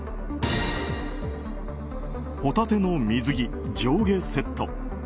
ホタテの水着上下セット。